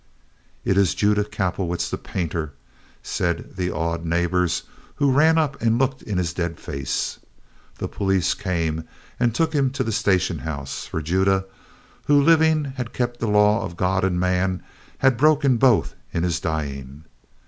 "It is Judah Kapelowitz, the painter," said the awed neighbors, who ran up and looked in his dead face. The police came and took him to the station house, for Judah, who living had kept the law of God and man, had broken both in his dying.